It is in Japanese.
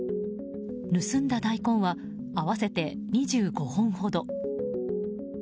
盗んだ大根は合わせて２５本ほど。